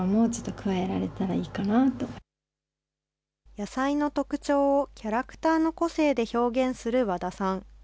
野菜の特徴をキャラクターの個性で表現するわださん。